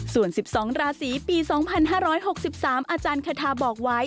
ส่วน๑๒ราศีปี๒๕๖๓อาจารย์คาทาบอกไว้